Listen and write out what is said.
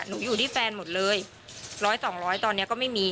อยู่ที่แฟนหมดเลยร้อยสองร้อยตอนนี้ก็ไม่มี